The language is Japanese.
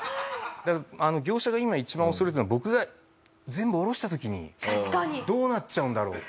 業者が今一番恐れてるのは僕が全部降ろした時にどうなっちゃうんだろう？